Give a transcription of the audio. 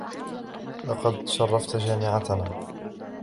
لقد شرّفَت جامعتنا.